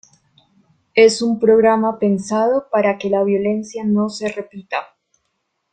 Es un programa pensado para que la violencia no se repita.